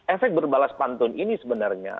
efek berbalas pantun ini sebenarnya